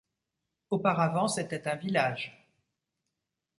Auparavant c'était un village.